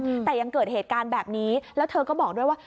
อืมแต่ยังเกิดเหตุการณ์แบบนี้แล้วเธอก็บอกด้วยว่า